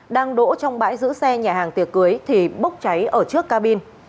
đang đỗ trong bãi giữ xe nhà hàng tiệc cưới thì bốc cháy ở trước cabin